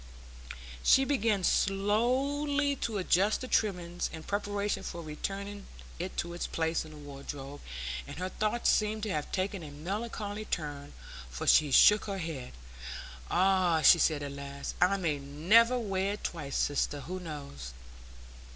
She began slowly to adjust the trimmings, in preparation for returning it to its place in the wardrobe, and her thoughts seemed to have taken a melancholy turn, for she shook her head. "Ah," she said at last, "I may never wear it twice, sister; who knows?"